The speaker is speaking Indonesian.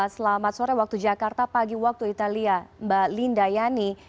selamat sore waktu jakarta pagi waktu italia